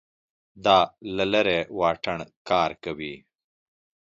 دا له لرې واټن کار کوي